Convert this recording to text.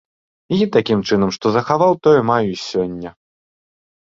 І, такім чынам, што захаваў, тое маю і сёння.